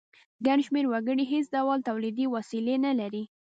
ګڼ شمیر وګړي هیڅ ډول تولیدي وسیلې نه لري.